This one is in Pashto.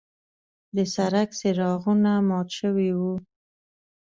د سړک څراغونه مات شوي وو.